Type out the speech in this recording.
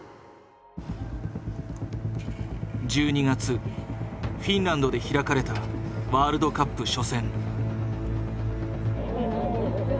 １２月フィンランドで開かれたワールドカップ初戦。